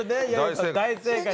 大正解。